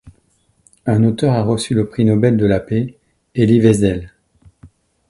Un auteur a reçu le prix Nobel de la paix, Elie Wiesel.